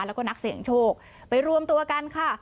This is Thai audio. แล้วก็นักเสี่ยงโชคไปรวมตัวกันค่ะ